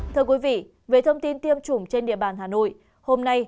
thưa quý vị về thông tin tiêm chủng trên địa bàn hà nội hôm nay